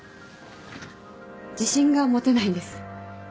自信が持てないんです。